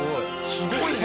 すごいね！